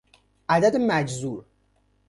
عدد مجذور